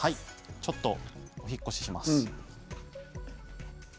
ちょっとお引っ越しします。